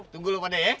tunggu lu pade ya